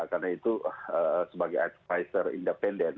karena itu sebagai advisor independen